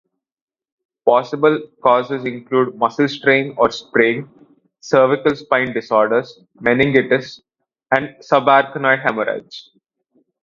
Possible causes include muscle strain or sprain, cervical spine disorders, meningitis, and subarachnoid hemorrhage.